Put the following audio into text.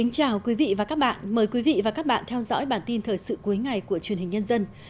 chào mừng quý vị đến với bản tin thời sự cuối ngày của truyền hình nhân dân